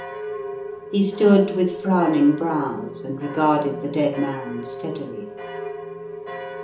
He stood with frowning brows and regarded the dead man steadily.